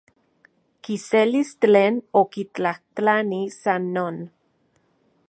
Kiselis tlen okitlajtlani, san non.